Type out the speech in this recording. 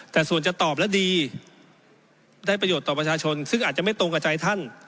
แต่ส่วนจะตอบแล้วดีได้ประโยชน์ต่อประชาชนซึ่งอาจจะไม่ตรงกับใจท่าน